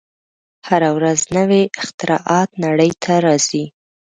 هره ورځ نوې اختراعات نړۍ ته راځي.